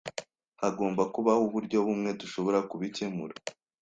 Hagomba kubaho uburyo bumwe dushobora kubikemura.